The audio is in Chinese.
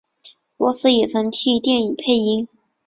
罗斯也曾经替电影配音。